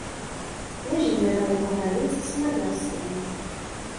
Leží nedaleko hranic s Maďarskem.